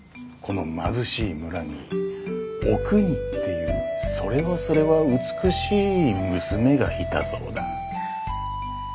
この貧しい村におくにっていうそれはそれは美しい娘がいたそうだ。